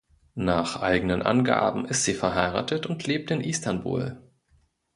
Nach eigenen Angaben ist sie verheiratet und lebt in Istanbul.